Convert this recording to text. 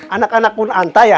anak anak pun anta ya